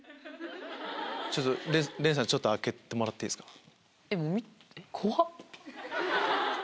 ちょっと廉さん開けてもらっていいですか。